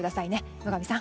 野上さん。